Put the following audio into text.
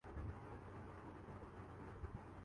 فیروئیز